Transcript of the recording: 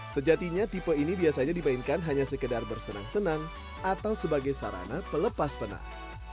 sejatinya tipe ini biasanya dimainkan hanya sekedar bersenang senang atau sebagai sarana pelepas penang